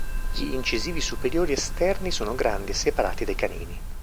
Gli incisivi superiori esterni sono grandi e separati dai canini.